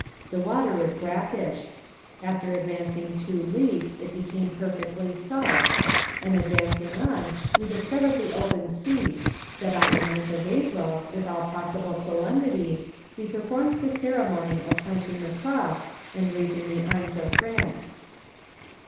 The water is brackish; after advancing two leagues it became perfectly salt, and advancing on, we discovered the open sea, so that on the ninth of April, with all possible solemnity, we performed the ceremony of planting the cross and raising the arms of France.